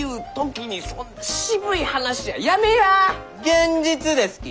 現実ですき！